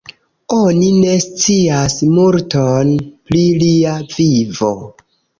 Oni ne scias multon pri lia vivo.